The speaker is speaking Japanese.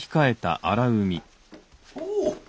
おお！